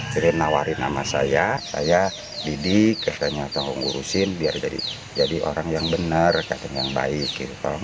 saya ditawarin nama saya saya didik saya ditanya tolong gurusin biar jadi orang yang benar yang baik